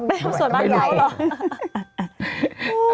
ไปทำสวนบ้านเขาเหรอ